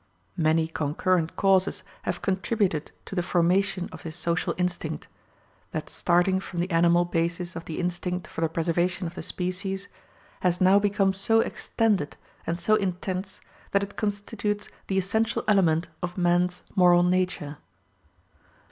Many concurrent causes have contributed to the formation of this social instinct, that starting from the animal basis of the instinct for the preservation of the species, has now become so extended and so intense that it constitutes the essential element of man's moral nature.